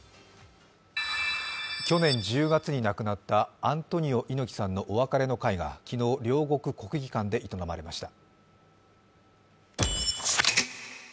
去年１２月に亡くなったアントニオ猪木さんのお別れの会が昨日、両国国技館で営まれました。